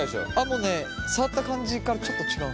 もうね触った感じからちょっと違うのよ。